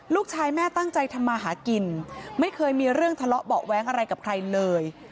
ลูกชายแม่ตั้งใจทำมาหากินไม่เคยมีเรื่องทะเลาะเบาะแว้งอะไรกับใครเลย